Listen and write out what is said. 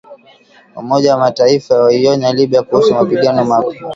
Umoja wa Mataifa waionya Libya kuhusu mapigano mapya.